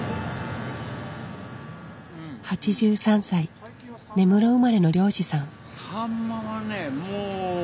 ８３歳根室生まれの漁師さん。